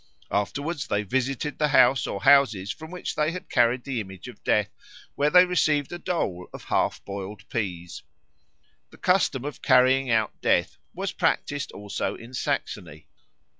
Afterwards they visited the house or houses from which they had carried the image of Death; where they received a dole of half boiled peas. The custom of "Carrying out Death" was practised also in Saxony.